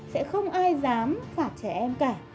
sẽ không ai dám phạt trẻ em cả